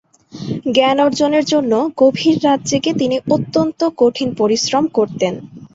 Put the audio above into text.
জ্ঞান অর্জনের জন্য গভীর রাত জেগে তিনি অত্যন্ত কঠিন পরিশ্রম করতেন।